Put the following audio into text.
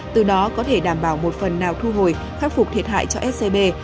từ đó có thể đảm bảo một phần nào thu hồi khắc phục thiệt hại cho scb